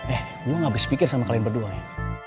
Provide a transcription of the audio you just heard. eh gue gak bisa pikir sama kalian berduanya